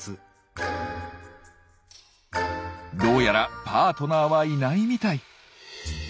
どうやらパートナーはいないみたい。